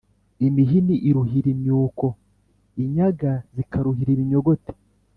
imihini iruhira imyuko, inyaga zikaruhira ibinyogote,